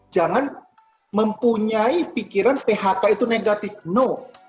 jangan mempunyai pikiran phk itu negatif no